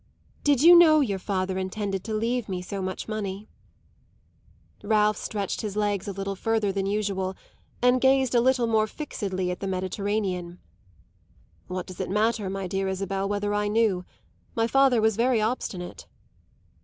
Did you know your father intended to leave me so much money?" Ralph stretched his legs a little further than usual and gazed a little more fixedly at the Mediterranean. "What does it matter, my dear Isabel, whether I knew? My father was very obstinate."